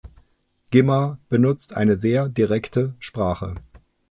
Gimma benutzt eine sehr direkte Sprache.